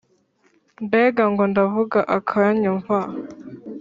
Mbega ngo ndavuga akanyumva!